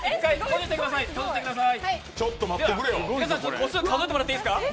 個数数えてもらっていいですか。